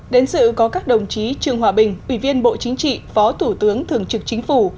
đến sự có các đồng chí trương hòa bình ủy viên bộ chính trị phó thủ tướng thường trực chính phủ